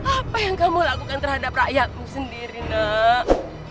apa yang kamu lakukan terhadap rakyatmu sendiri nak